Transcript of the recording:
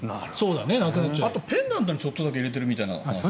あとはペンダントにちょっとだけ入れているのとか。